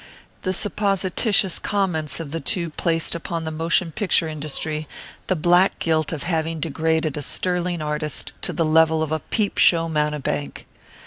The supposititious comments of the two placed upon the motion picture industry the black guilt of having degraded a sterling artist to the level of a peep show mountebank.